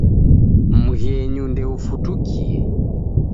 Mghenyu ndeufutukie.